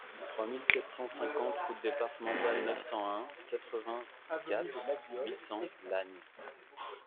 trois mille quatre cent cinquante route Départementale neuf cent un, quatre-vingt-quatre, huit cents, Lagnes